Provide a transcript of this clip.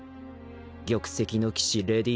玉石の騎士レディ